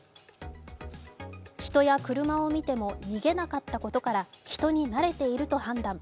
人や車を見ても逃げなかったことから人になれていると判断。